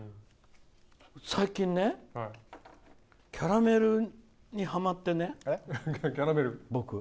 最近ね、キャラメルにハマってね、僕。